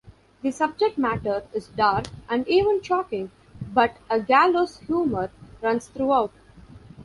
The subject matter is dark, and even shocking, but a gallows humor runs throughout.